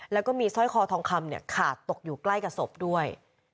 แล้วก็มีสร้อยคอทองคำขาดตกอยู่ใกล้กับศพด้วย